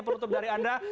penutup dari anda